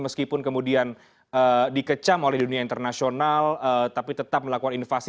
meskipun kemudian dikecam oleh dunia internasional tapi tetap melakukan invasi